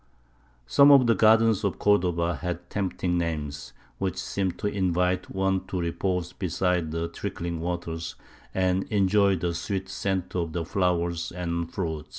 Some of the gardens of Cordova had tempting names, which seem to invite one to repose beside the trickling waters and enjoy the sweet scent of the flowers and fruit.